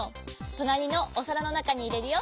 となりのおさらのなかにいれるよ。